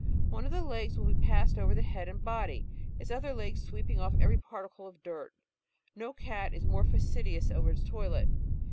One of the legs will be passed over its head and body, its other legs sweeping oflP every particle of "dirt." No cat is more fastidious over its toilet.